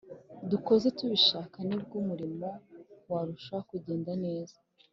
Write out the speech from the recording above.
dukoze tubishaka, nibwo umurimo warushaho kugenda neza